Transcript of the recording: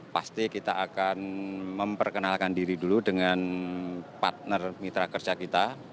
pasti kita akan memperkenalkan diri dulu dengan partner mitra kerja kita